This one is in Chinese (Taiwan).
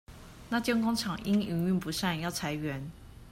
那間工廠因營運不善要裁員